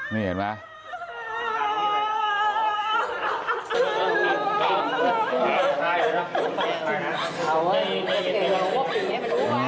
นี่เห็นไหม